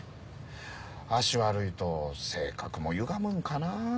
足悪いと性格もゆがむんかなぁ。